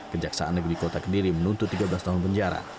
kejaksaan negeri kota kediri menuntut tiga belas tahun penjara